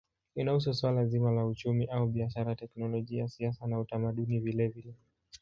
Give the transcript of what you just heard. Inahusu suala zima la uchumi au biashara, teknolojia, siasa na utamaduni vilevile.